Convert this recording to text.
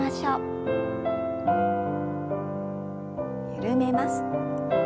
緩めます。